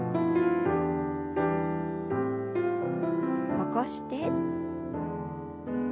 起こして。